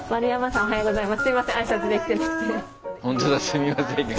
おはようございます。